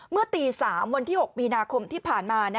เมื่อตี๓วันที่๖มีนาคมที่ผ่านมา